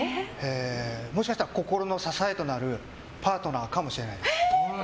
もしかしたら心の支えとなるパートナーかもしれない。